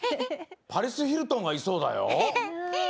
パリス・ヒルトンがいそうだよ。